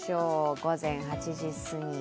午前８時すぎ。